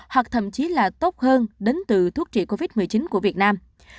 hoặc thậm chí là tốt hơn đến từ thuốc trị covid một mươi chín của việt nam